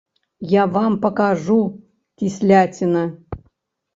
Я вам пакажу, кісляціна!